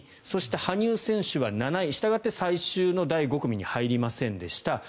そして、羽生選手は７位したがって最終の第５組に入りませんでした。